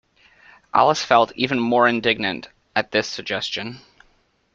Alice felt even more indignant at this suggestion.